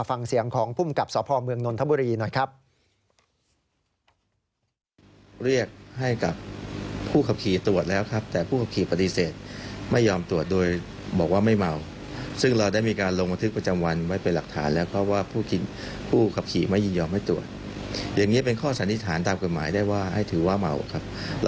ฟังเสียงของภูมิกับสพเมืองนนทบุรีหน่อยครับ